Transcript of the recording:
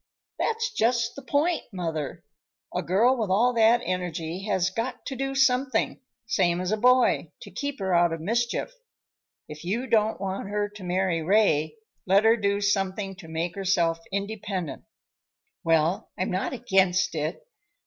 "That's just the point, mother. A girl with all that energy has got to do something, same as a boy, to keep her out of mischief. If you don't want her to marry Ray, let her do something to make herself independent." "Well, I'm not against it.